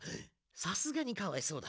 さすがにかわいそうだ。